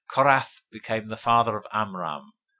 Kohath became the father of Amram.